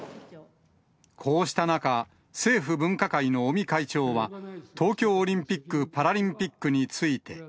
こうした中、政府分科会の尾身会長は、東京オリンピック・パラリンピックについて。